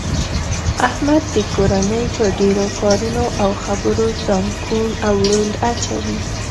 احمد د کورنۍ په ډېرو کارونو او خبرو ځان کوڼ او ړوند اچوي.